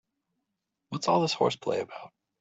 What's all this horseplay about?